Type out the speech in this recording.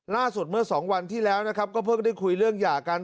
เมื่อสองวันที่แล้วนะครับก็เพิ่งได้คุยเรื่องหย่ากัน